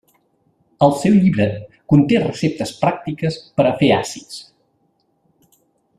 El seu llibre conté receptes pràctiques per a fer àcids.